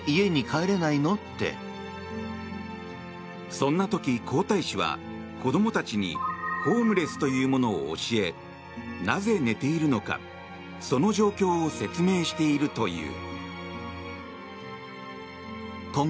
そんな時、皇太子は子供たちにホームレスというものを教えなぜ寝ているのか、その状況を説明しているという。